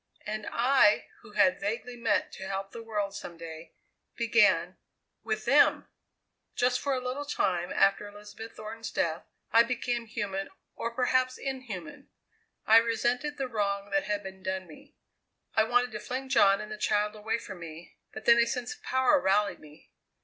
And I, who had vaguely meant to help the world some day, began with them! Just for a little time after Elizabeth Thornton's death I became human, or perhaps inhuman. I resented the wrong that had been done me; I wanted to fling John and the child away from me; but then a sense of power rallied me.